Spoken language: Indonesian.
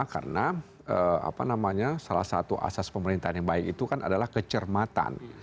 karena salah satu asas pemerintahan yang baik itu kan adalah kecermatan